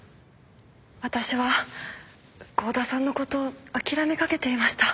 私は郷田さんのこと諦めかけていました。